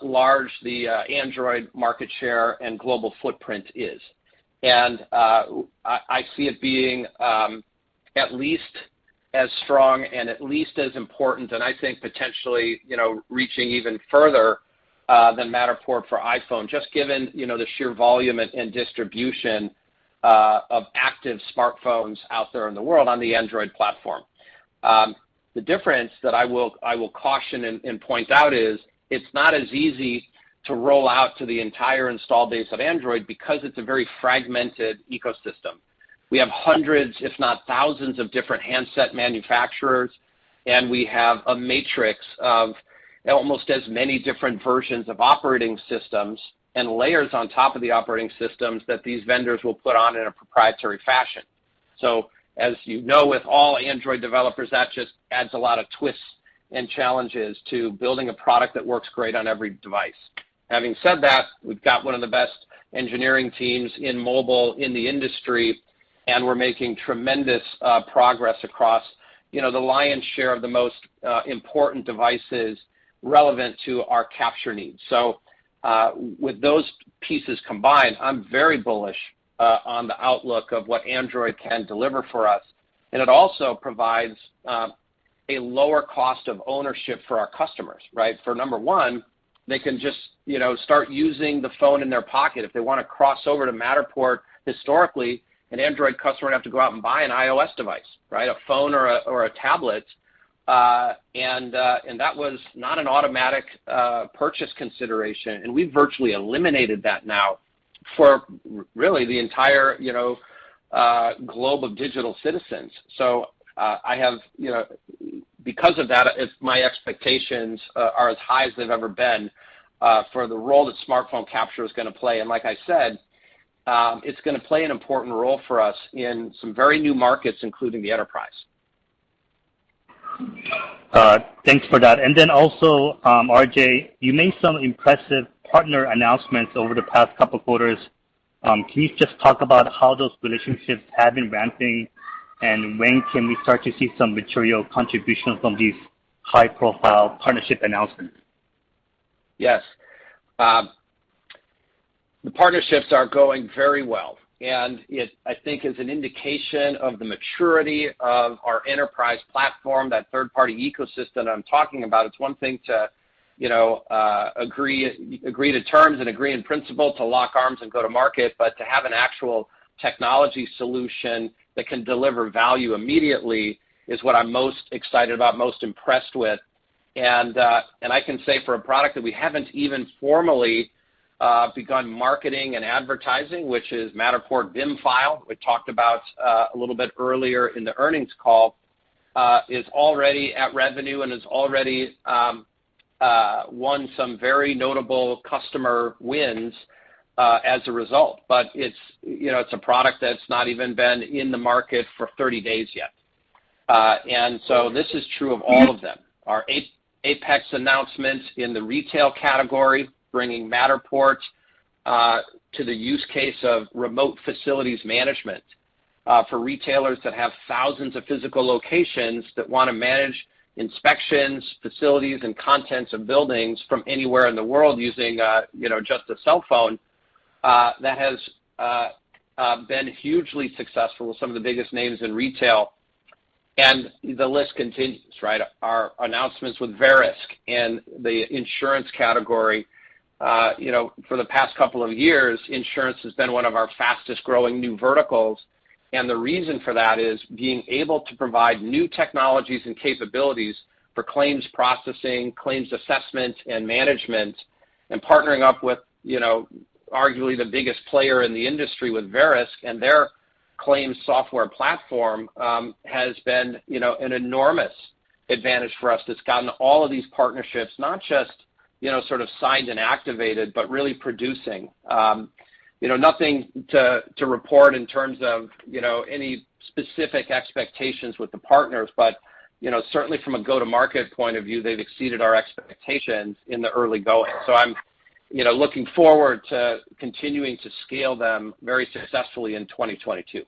large the Android market share and global footprint is. I see it being at least as strong and at least as important, and I think potentially, you know, reaching even further than Matterport for iPhone, just given, you know, the sheer volume and distribution of active smartphones out there in the world on the Android platform. The difference that I will caution and point out is it's not as easy to roll out to the entire install base of Android because it's a very fragmented ecosystem. We have hundreds, if not thousands, of different handset manufacturers, and we have a matrix of almost as many different versions of operating systems and layers on top of the operating systems that these vendors will put on in a proprietary fashion. As you know, with all Android developers, that just adds a lot of twists and challenges to building a product that works great on every device. Having said that, we've got one of the best engineering teams in mobile in the industry, and we're making tremendous progress across, you know, the lion's share of the most important devices relevant to our capture needs. With those pieces combined, I'm very bullish on the outlook of what Android can deliver for us. It also provides a lower cost of ownership for our customers, right? For number one, they can just, you know, start using the phone in their pocket. If they wanna cross over to Matterport, historically, an Android customer would have to go out and buy an iOS device, right, a phone or a tablet. That was not an automatic purchase consideration, and we've virtually eliminated that now for really the entire, you know, globe of digital citizens. Because of that, it's my expectations are as high as they've ever been for the role that smartphone capture is gonna play. Like I said, it's gonna play an important role for us in some very new markets, including the enterprise. Thanks for that. RJ, you made some impressive partner announcements over the past couple quarters. Can you just talk about how those relationships have been ramping, and when can we start to see some material contributions from these high-profile partnership announcements? Yes. The partnerships are going very well, and it, I think, is an indication of the maturity of our enterprise platform, that third-party ecosystem I'm talking about. It's one thing to, you know, agree to terms and agree in principle to lock arms and go to market, but to have an actual technology solution that can deliver value immediately is what I'm most excited about, most impressed with. I can say for a product that we haven't even formally begun marketing and advertising, which is Matterport BIM file we talked about a little bit earlier in the earnings call, is already at revenue and has already won some very notable customer wins as a result. It's, you know, it's a product that's not even been in the market for 30 days yet. This is true of all of them. Our Apex announcements in the retail category, bringing Matterport to the use case of remote facilities management for retailers that have thousands of physical locations that wanna manage inspections, facilities, and contents of buildings from anywhere in the world using, you know, just a cell phone that has been hugely successful with some of the biggest names in retail. The list continues, right? Our announcements with Verisk in the insurance category. You know, for the past couple of years, insurance has been one of our fastest-growing new verticals, and the reason for that is being able to provide new technologies and capabilities for claims processing, claims assessment and management, and partnering up with, you know, arguably the biggest player in the industry with Verisk and their claims software platform, has been, you know, an enormous advantage for us that's gotten all of these partnerships, not just, you know, sort of signed and activated, but really producing. You know, nothing to report in terms of, you know, any specific expectations with the partners but, you know, certainly from a go-to-market point of view, they've exceeded our expectations in the early going. I'm, you know, looking forward to continuing to scale them very successfully in 2022.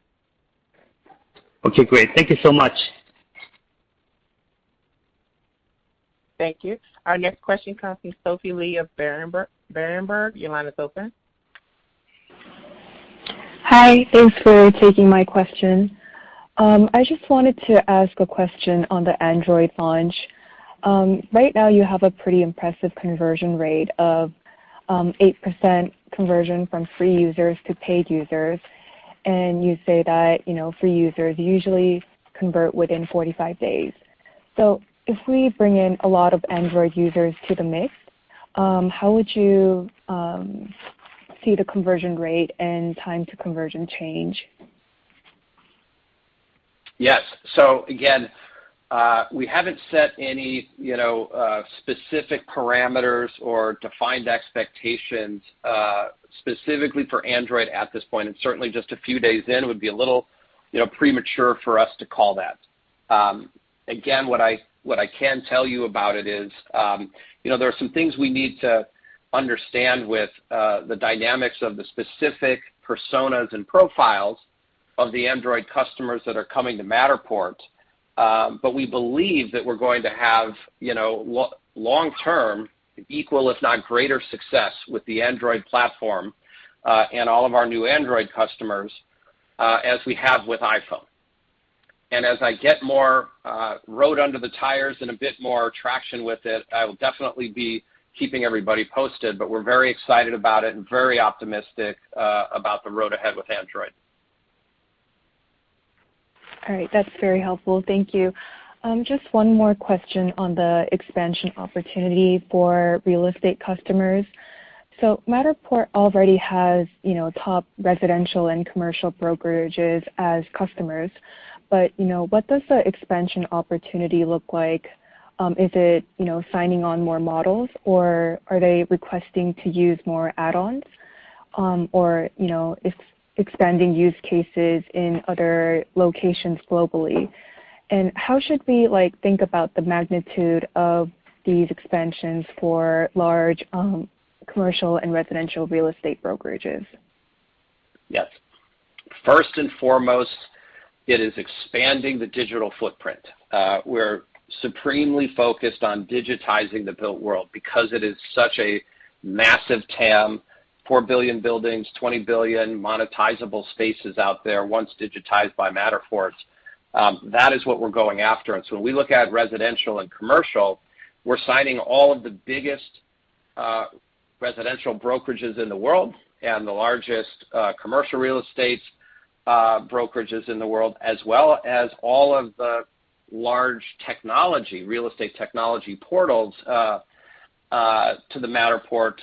Okay, great. Thank you so much. Thank you. Our next question comes from Sophie Li of Berenberg. Berenberg, your line is open. Hi. Thanks for taking my question. I just wanted to ask a question on the Android launch. Right now you have a pretty impressive conversion rate of 8% conversion from free users to paid users, and you say that, you know, free users usually convert within 45 days. If we bring in a lot of Android users to the mix, how would you see the conversion rate and time to conversion change? Yes. Again, we haven't set any, you know, specific parameters or defined expectations, specifically for Android at this point. It's certainly just a few days in. It would be a little, you know, premature for us to call that. Again, what I can tell you about it is, you know, there are some things we need to understand with the dynamics of the specific personas and profiles of the Android customers that are coming to Matterport. We believe that we're going to have, you know, long term, equal if not greater success with the Android platform, and all of our new Android customers, as we have with iPhone. As I get more road under the tires and a bit more traction with it, I will definitely be keeping everybody posted, but we're very excited about it and very optimistic about the road ahead with Android. All right. That's very helpful. Thank you. Just one more question on the expansion opportunity for real estate customers. Matterport already has, you know, top residential and commercial brokerages as customers, but, you know, what does the expansion opportunity look like? Is it, you know, signing on more models or are they requesting to use more add-ons, or, you know, it's expanding use cases in other locations globally? How should we, like, think about the magnitude of these expansions for large, commercial and residential real estate brokerages? Yes. First and foremost, it is expanding the digital footprint. We're supremely focused on digitizing the built world because it is such a massive TAM, 4 billion buildings, 20 billion monetizable spaces out there once digitized by Matterport. That is what we're going after. When we look at residential and commercial, we're signing all of the biggest residential brokerages in the world and the largest commercial real estate brokerages in the world, as well as all of the large technology real estate technology portals to the Matterport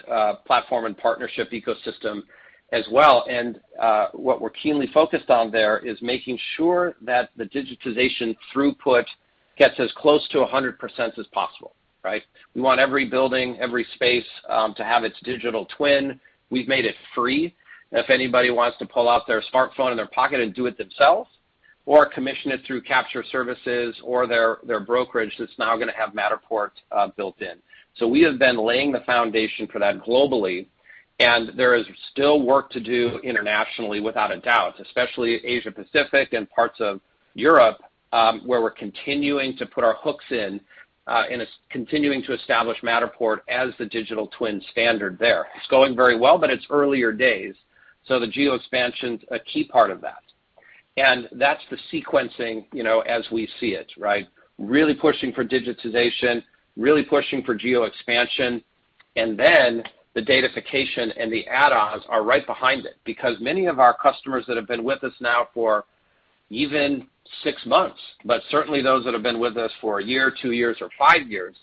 platform and partnership ecosystem as well. What we're keenly focused on there is making sure that the digitization throughput gets as close to 100% as possible, right? We want every building, every space, to have its digital twin. We've made it free if anybody wants to pull out their smartphone in their pocket and do it themselves, or commission it through capture services or their brokerage that's now gonna have Matterport built in. We have been laying the foundation for that globally, and there is still work to do internationally without a doubt, especially Asia-Pacific and parts of Europe, where we're continuing to put our hooks in, and it's continuing to establish Matterport as the digital twin standard there. It's going very well, but it's earlier days. The geo expansion's a key part of that. That's the sequencing, you know, as we see it, right? Really pushing for digitization, really pushing for geo expansion, and then the datafication and the add-ons are right behind it. Because many of our customers that have been with us now for even six months, but certainly those that have been with us for a year, two years or five years,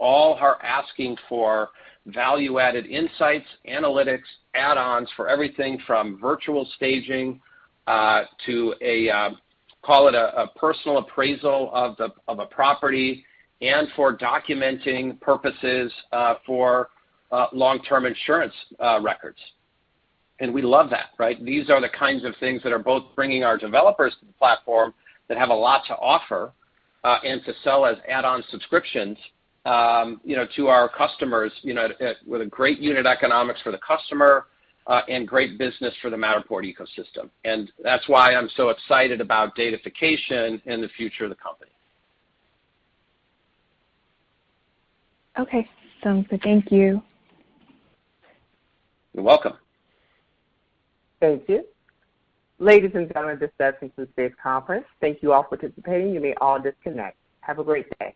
all are asking for value-added insights, analytics, add-ons for everything from virtual staging to, call it, a personal appraisal of a property and for documenting purposes for long-term insurance records. We love that, right? These are the kinds of things that are both bringing our developers to the platform that have a lot to offer and to sell as add-on subscriptions, you know, to our customers, you know, with a great unit economics for the customer and great business for the Matterport ecosystem. That's why I'm so excited about datafication and the future of the company. Okay. Sounds good. Thank you. You're welcome. Thank you. Ladies and gentlemen, this does conclude today's conference. Thank you all for participating. You may all disconnect. Have a great day.